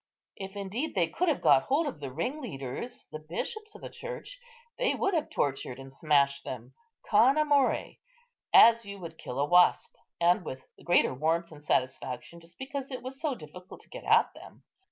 If, indeed, they could have got hold of the ringleaders, the bishops of the Church, they would have tortured and smashed them con amore, as you would kill a wasp; and with the greater warmth and satisfaction, just because it was so difficult to get at them.